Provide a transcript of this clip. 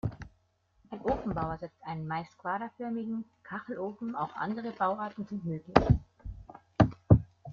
Ein Ofenbauer setzt einen meist quaderförmigen Kachelofen, auch andere Bauarten sind möglich.